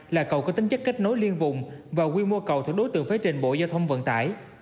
là cầu có tính chất kết nối liên vùng và quy mô cầu thuộc đối tượng phải trình bộ giao thông vận tải